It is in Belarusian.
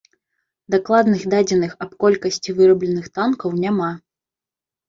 Дакладных дадзеных аб колькасці вырабленых танкаў няма.